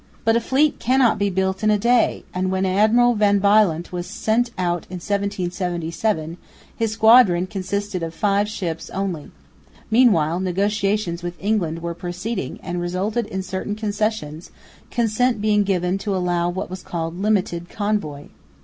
But a fleet cannot be built in a day; and, when Admiral van Bylandt was sent out in 1777, his squadron consisted of five ships only. Meanwhile negotiations with England were proceeding and resulted in certain concessions, consent being given to allow what was called "limited convoy."